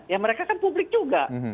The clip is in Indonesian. ya mereka kan publik juga